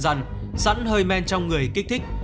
khuyên rằng sẵn hơi men trong người kích thích